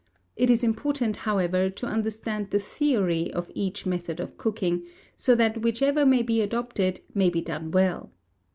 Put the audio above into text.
It is important, however, to understand the theory of each method of cooking, so that whichever may be adopted, may be done well.